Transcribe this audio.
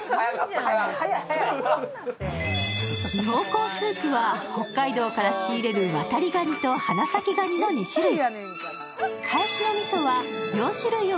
濃厚スープは北海道から仕入れるワタリガニと花咲ガニの２種類。